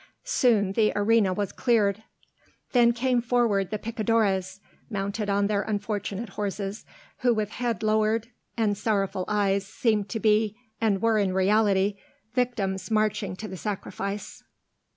Soon the arena was cleared. Then came forward the picadores, mounted on their unfortunate horses, who with head lowered and sorrowful eyes seemed to be and were in reality victims marching to the sacrifice.